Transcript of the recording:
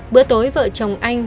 bữa tối vợ chồng anh